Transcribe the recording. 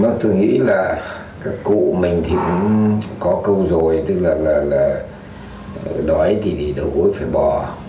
mình thường nghĩ là các cụ mình thì cũng có câu rồi tức là đói thì đầu gối phải bò